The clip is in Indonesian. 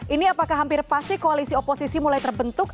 ini apakah hampir pasti koalisi oposisi mulai terbentuk